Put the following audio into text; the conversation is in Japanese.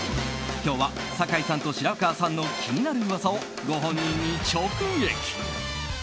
今日は酒井さんと白川さんの気になる噂をご本人に直撃。